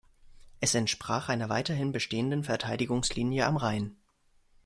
Es entsprach einer weiterhin bestehenden Verteidigungslinie am Rhein.